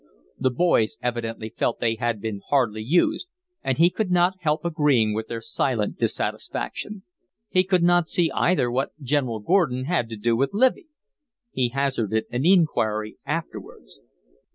The boys evidently felt they had been hardly used, and he could not help agreeing with their silent dissatisfaction. He could not see either what General Gordon had to do with Livy. He hazarded an inquiry afterwards.